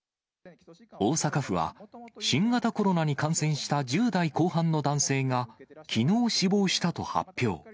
大阪府は、新型コロナに感染した１０代後半の男性が、きのう死亡したと発表。